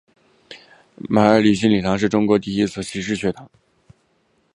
马礼逊学堂是中国第一所西式学堂。